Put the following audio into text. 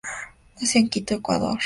Nació en Quito, Ecuador.